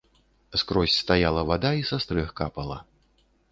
Скрозь стаяла вада і са стрэх капала.